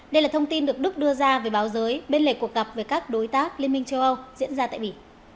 đây là thông tin được đức đưa ra về báo giới bên lề cuộc gặp với các đối tác liên minh châu âu diễn ra tại bỉ